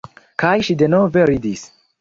Kaj ŝi denove ridis.